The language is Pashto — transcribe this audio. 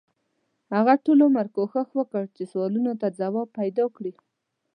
هغه ټول عمر کوښښ وکړ چې سوالونو ته ځواب پیدا کړي.